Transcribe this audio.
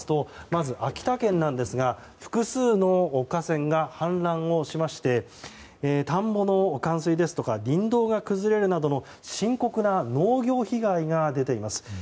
まず秋田県なんですが複数の河川が氾濫をしまして田んぼの冠水や林道が崩れるなどの深刻な農業被害が出ています。